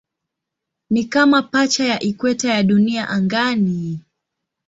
Ni kama pacha ya ikweta ya Dunia angani.